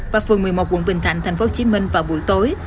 và phường một mươi một quận bình thạnh tp hcm vào buổi tối